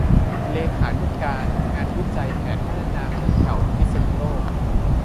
เลขานุการงานวิจัยแผนพัฒนาเมืองเก่าพิษณุโลก